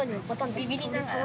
ビビりながら。